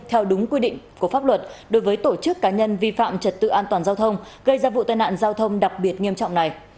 theo đúng quy định của pháp luật đối với tổ chức cá nhân vi phạm trật tự an toàn giao thông gây ra vụ tai nạn giao thông đặc biệt nghiêm trọng này